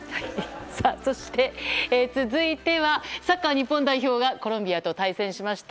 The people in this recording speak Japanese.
そして、続いてはサッカー日本代表がコロンビアと対戦しました。